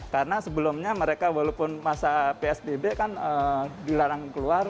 karena sebelumnya mereka walaupun masa psbb kan dilarang keluar